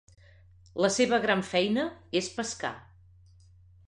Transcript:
La seva gran feina és pescar.